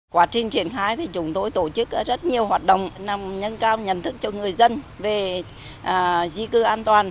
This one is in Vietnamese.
quá trình triển khai thì chúng tôi tổ chức rất nhiều hoạt động nâng cao nhận thức cho người dân về di cư an toàn